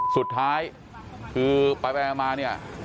สุดท้ายคือไปมาเนี่ย